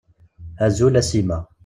Azul a Sima.